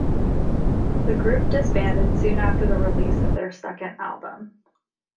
The group disbanded soon after the release of their second album.